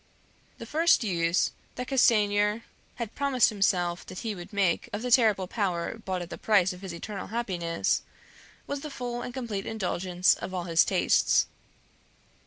The first use that Castanier had promised himself that he would make of the terrible power bought at the price of his eternal happiness, was the full and complete indulgence of all his tastes.